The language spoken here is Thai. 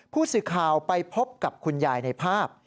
ผู้สื่อข่าวไปพบกับคุณยายในภาพ